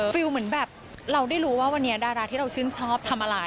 เหมือนแบบเราได้รู้ว่าวันนี้ดาราที่เราชื่นชอบทำอะไร